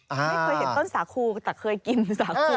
ไม่เคยเห็นต้นสาคูแต่เคยกินสาคู